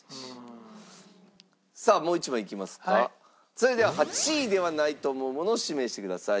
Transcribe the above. それでは８位ではないと思うものを指名してください。